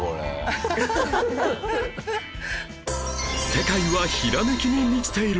世界はひらめきに満ちている